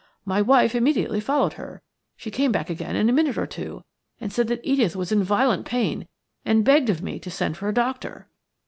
My wife immediately followed her. She came back again in a minute or two, and said that Edith was in violent pain, and begged of me to send for a doctor.